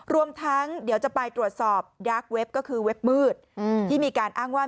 รวมทั้งเดี๋ยวจะไปตรวจสอบดาร์กเว็บก็คือเว็บมืดที่มีการอ้างว่า